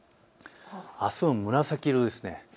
あすも紫色です。